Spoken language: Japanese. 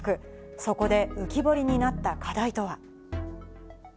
そこで浮き彫りになった課題とは。